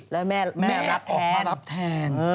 แล้วแม่รับแทน